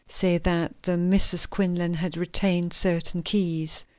Say that the Misses Quinlan had retained certain keys.